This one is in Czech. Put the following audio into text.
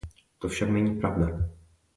To však není pravda.